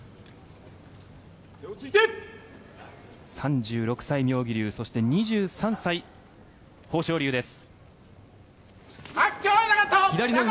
３６歳、妙義龍２３歳、豊昇龍です。